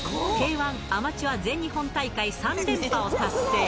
１アマチュア全日本大会３連覇を達成。